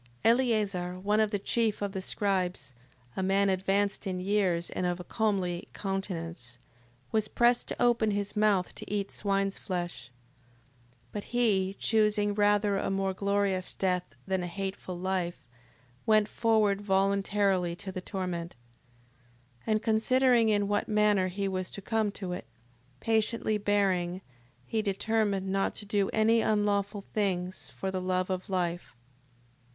6:18. Eleazar one of the chief of the scribes, a man advanced in years, and of a comely countenance, was pressed to open his mouth to eat swine's flesh. 6:19. But he, choosing rather a most glorious death than a hateful life, went forward voluntarily to the torment. 6:20. And considering in what manner he was to come to it, patiently bearing, he determined not to do any unlawful things for the love of life.